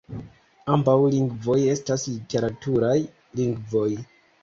Ambaŭ lingvoj estas literaturaj lingvoj.